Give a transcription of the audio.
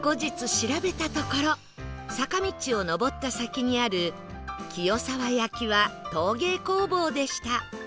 坂道を上った先にあるきよさわ焼は陶芸工房でした